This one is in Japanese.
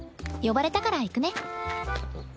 呼ばれたから行くね。